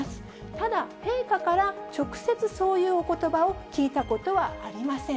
ただ、陛下から直接そういうおことばを聞いたことはありません。